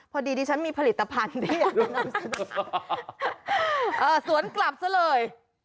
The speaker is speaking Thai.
พอดีที่ฉันมีผลิตภัณฑ์สวนกลับซะเลย